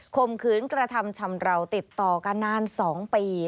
มขืนกระทำชำราวติดต่อกันนาน๒ปี